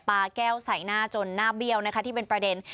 แก้วใส่หน้าจนหน้าเบี้ยวนะคะที่เป็นประเด็น